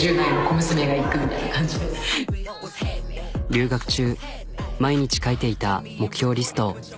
留学中毎日書いていた目標リスト。